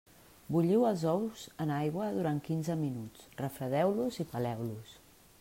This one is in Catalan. Bulliu els ous en aigua durant quinze minuts, refredeu-los i peleu-los.